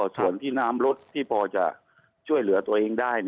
ส่วนที่น้ำรถที่พอจะช่วยเหลือตัวเองได้